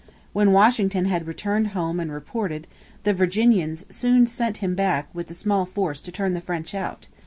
When Washington had returned home and reported, the Virginians soon sent him back with a small force to turn the French out.